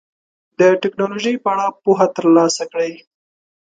د ټکنالوژۍ په اړه پوهه ترلاسه کړئ.